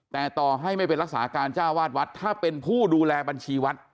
แต่ต่อให้ไม่เป็นรักษาการจ้าวาดวัดถ้าเป็นผู้ดูแลบัญชีวัด